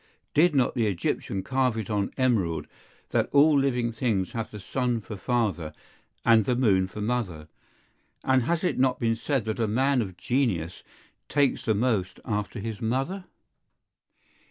Did not the Egyptian carve it on emerald that all living things have the sun for father and the moon for mother, and has it not been said that a man of genius takes the most after his mother?